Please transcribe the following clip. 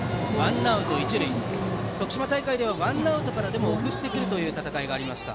徳島大会ではワンアウトからでも送ってくるという戦いがありました。